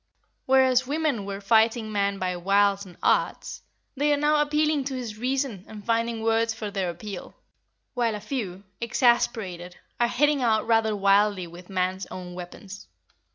Whereas women were fighting man by wiles and arts, they are now appealing to his reason and finding words for their appeal, while a few, exasperated, are hitting out rather wildly with man's own weapons.